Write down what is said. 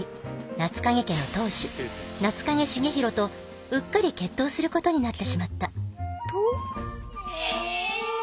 夏影家の当主夏影重弘とうっかり決闘することになってしまったえ！？